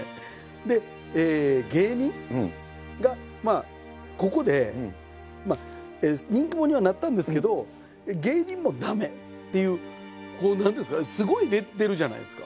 で芸人がまあここで人気者にはなったんですけど芸人も駄目っていう何ですかすごいレッテルじゃないですか。